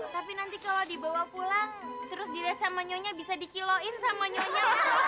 tapi nanti kalau dibawa pulang terus dilihat sama nyonya bisa dikiloin sama nyonya